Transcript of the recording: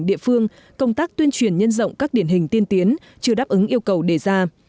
địa phương công tác tuyên truyền nhân rộng các điển hình tiên tiến chưa đáp ứng yêu cầu đề ra